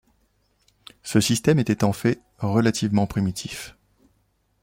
Ce système était en fait relativement primitif.